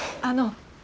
あの。